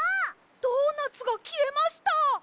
ドーナツがきえました！